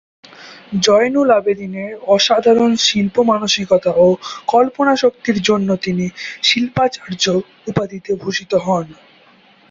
জয়নুল আবেদিনের অসাধারণ শিল্প- মানসিকতা ও কল্পনাশক্তির জন্য তিনি শিল্পাচার্য্য উপাধিতে ভূষিত হন।